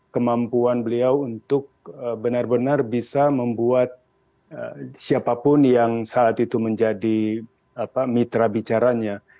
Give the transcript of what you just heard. kemampuan beliau untuk benar benar bisa membuat siapapun yang saat itu menjadi mitra bicaranya